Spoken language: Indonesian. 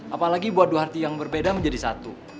apalagi buat dua hati yang berbeda menjadi satu